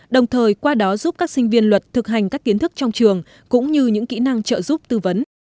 đồng thời qua đó giúp các sinh viên luật thực hành các kiến thức trong trường cũng như những kỹ năng trợ giúp tư vấn